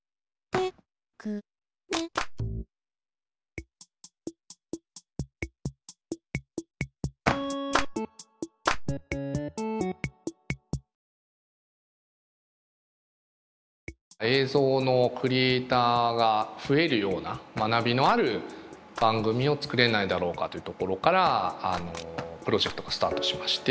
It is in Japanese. テクネ映像のクリエーターが増えるような学びのある番組を作れないだろうかというところからプロジェクトがスタートしまして。